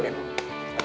ada tukangnya ya bang